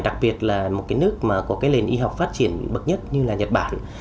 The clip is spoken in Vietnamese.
đặc biệt là một cái nước mà có cái nền y học phát triển bậc nhất như là nhật bản